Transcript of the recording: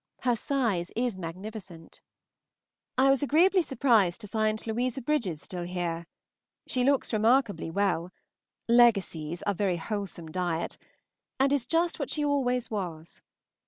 Her size is magnificent. I was agreeably surprised to find Louisa Bridges still here. She looks remarkably well (legacies are very wholesome diet), and is just what she always was.